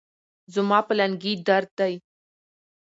زما په لنګې درد دي